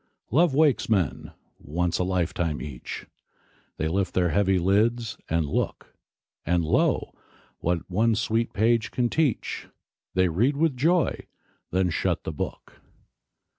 Love wakes men, once a lifetime each; They lift their heavy lids, and look; And, lo, what one sweet page can teach, They read with joy, then shut the book.